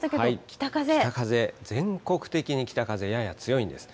北風、全国的に北風、やや強いんです。